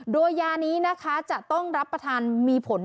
โดยยานี้นะคะจะต้องรับประทานมีผล